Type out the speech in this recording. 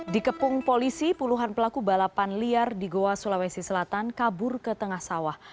dikepung polisi puluhan pelaku balapan liar di goa sulawesi selatan kabur ke tengah sawah